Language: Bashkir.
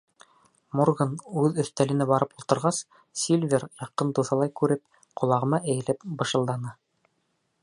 Морган үҙ өҫтәленә барып ултырғас, Сильвер, яҡын дуҫылай күреп, ҡолағыма эйелеп бышылданы: